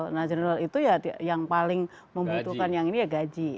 nah general itu ya yang paling membutuhkan yang ini ya gaji